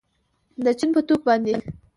د چین په توکو باندې